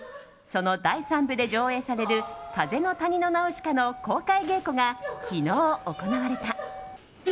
その第三部で上演される「風の谷のナウシカ」の公開稽古が昨日、行われた。